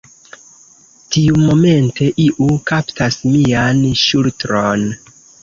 Tiumomente iu kaptas mian ŝultron.